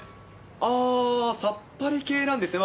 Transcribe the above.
ああ、さっぱり系なんですね。